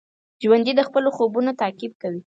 ژوندي د خپلو خوبونو تعقیب کوي